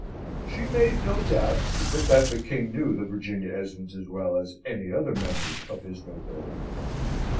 She made no doubt but that the King knew the Virginian Esmonds as well as any other members of his nobility.